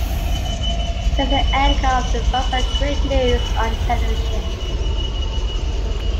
He is the anchor of the most accurate news on television.